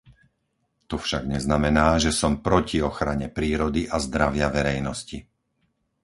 To však neznamená, že som proti ochrane prírody a zdravia verejnosti.